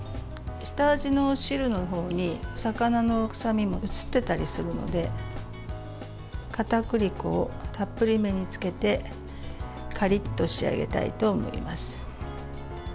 下味の汁のほうに魚の臭みも移ってたりするのでかたくり粉をたっぷりめに付けてカリッと仕上げたいと思います。